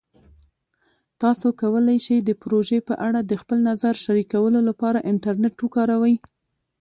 تاسو کولی شئ د پروژې په اړه د خپل نظر شریکولو لپاره انټرنیټ وکاروئ.